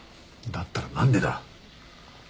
だったら何でだ？